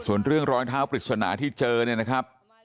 ส่วนเรื่องร้อยเท้าปลิดสนาที่เจอนะครับ